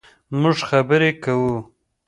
مونږ خبرې کوو